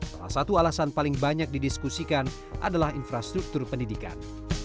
salah satu alasan paling banyak didiskusikan adalah infrastruktur pendidikan